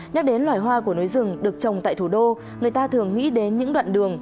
nhắc đến loài hoa của núi rừng được trồng tại thủ đô người ta thường nghĩ đến những đoạn đường